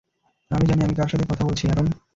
আমি জানি কার সাথে কথা বলছি, অ্যারন।